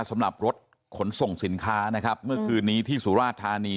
สำหรับรถขนส่งสินค้านะครับเมื่อคืนนี้ที่สุราชธานี